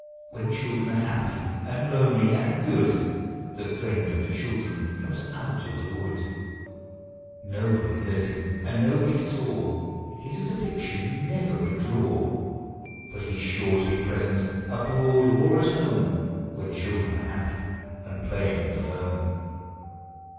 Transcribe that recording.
When children are happy and lonely and good, The Friend of the Children comes out of the wood. Nobody heard him aud nobody saw, His is a picture you never could draw. Hut he 's sure to be present, abroad or at home, When children are happy and playing alone.